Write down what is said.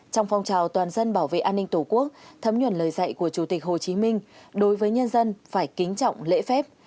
trong phong trào toàn dân bảo vệ an ninh tổ quốc thấm nhuần lời dạy của chủ tịch hồ chí minh đối với nhân dân phải kính trọng lễ phép